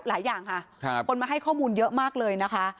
หลายอย่างค่ะคนมาให้ข้อมูลเยอะมากเลยนะคะ